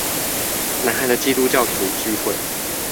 南韓的基督教徒聚會